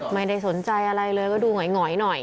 ไม่ได้สนใจอะไรเลยก็ดูหงอยหน่อย